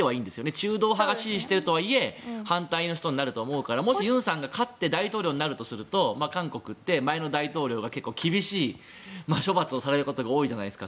中道派が支持しているとはいえ反対の人になるとは思うからもしユンさんが勝って大統領になったりすると韓国って前の大統領が結構厳しい処罰をされること多いじゃないですか。